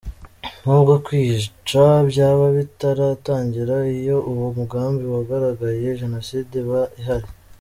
N’ubwo kwica byaba bitaratangira, iyo uwo mugambi wagaragaye jenoside iba ihari.